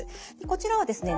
こちらはですね